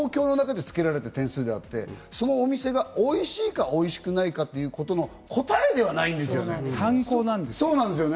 そういう状況の中でつけられた点数であって、おいしいか、おいしくないかということの答えではな参考なんですよ。